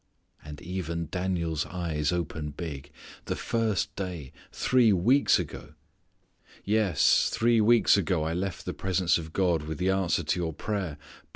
And even Daniel's eyes open big "the first day three weeks ago?" "Yes, three weeks ago I left the presence of God with the answer to your prayer.